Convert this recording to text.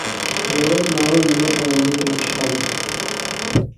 دۆلەت نامى مىللەت نامىدىن كېلىپ چىققان.